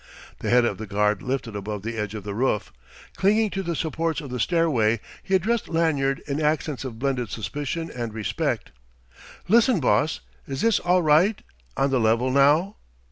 The head of the guard lifted above the edge of the roof. Clinging to the supports of the stairway, he addressed Lanyard in accents of blended suspicion and respect. "Lis'n, boss: is this all right, on the level, now?"